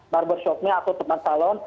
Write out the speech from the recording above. barbershopnya atau tempat salon